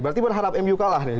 berarti berharap mu kalah nih